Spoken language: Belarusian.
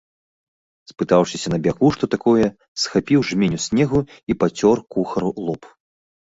Спытаўшыся на бягу, што такое, схапіў жменю снегу і пацёр кухару лоб.